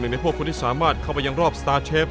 หนึ่งในพวกคนที่สามารถเข้ายังรอบสตาร์ทเชฟ